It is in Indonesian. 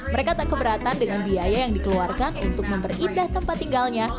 mereka tak keberatan dengan biaya yang dikeluarkan untuk memperindah tempat tinggalnya